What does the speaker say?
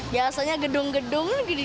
biasanya kenapa ini di tengah sepeda